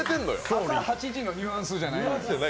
朝８時のニュアンスじゃないんですよ